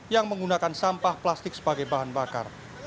yang menggunakan sampah plastik sebagai bahan bakar